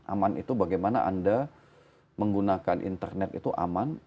aman itu bagaimana anda menggunakan internet itu aman